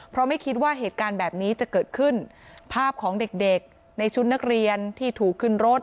เพราะไม่คิดว่าเหตุการณ์แบบนี้จะเกิดขึ้นภาพของเด็กเด็กในชุดนักเรียนที่ถูกขึ้นรถ